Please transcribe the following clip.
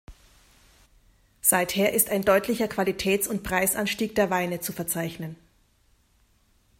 Seither ist ein deutlicher Qualitäts- und Preisanstieg der Weine zu verzeichnen.